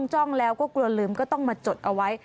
จ้องแล้วก็กลัวลืมก็ต้องมาจดเอาไว้